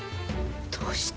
どうして？